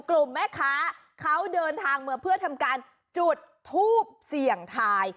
กลุ่มแม่ค้าเขาเดินทางมาเพื่อทำการจุดทูบเสี่ยงทาย